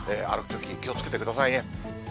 歩くとき、気をつけてくださいね。